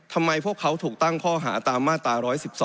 ทำไมพวกเขาถูกตั้งข้อหาตามมาตรา๑๑๒